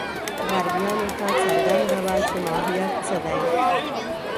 غربیانو ته څرګنده وه چې ماهیت څه دی.